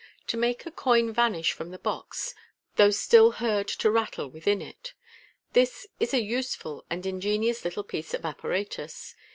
To make a Coin vanish from the Box, THOUGH STILL HEARD TO RATTLE WITHIN IT. This IS a USeful and ingenious little piece of apparatus.